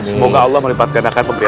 semoga allah melibatkan akan pemberian